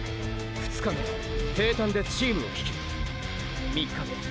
２日目平坦でチームを引き３日目